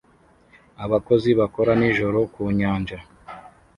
Abakozi bakora nijoro ku nyanja